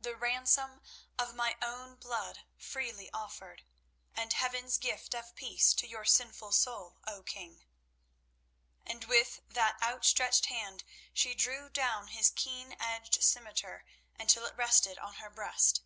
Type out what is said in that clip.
"The ransom of my own blood freely offered, and Heaven's gift of peace to your sinful soul, O King." And with that outstretched hand she drew down his keen edged scimitar until it rested on her breast.